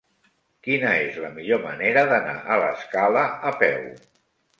Quina és la millor manera d'anar a l'Escala a peu?